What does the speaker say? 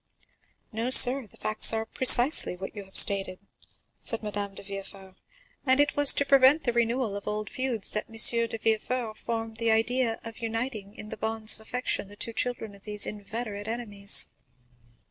"No, sir, the facts were precisely what you have stated," said Madame de Villefort; "and it was to prevent the renewal of old feuds that M. de Villefort formed the idea of uniting in the bonds of affection the two children of these inveterate enemies."